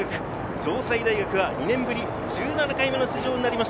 城西大学は２年ぶり１７回目の出場です。